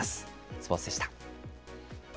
スポーツでした。